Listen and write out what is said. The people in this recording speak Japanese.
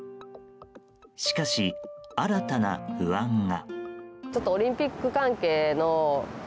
しかし、新たな不安が。